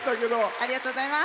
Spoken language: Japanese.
ありがとうございます。